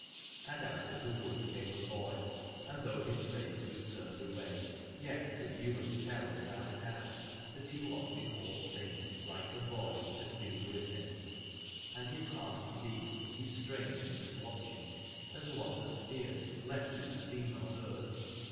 And out of the wood came a boy, and though his face was turned away, yet could Ywain tell without doubt that he was in all things like the boy that had been with him : and his heart beat and he strained in his watching as one that fears lest he be seen or heard.